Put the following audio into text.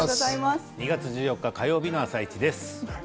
２月１４日火曜日の「あさイチ」です。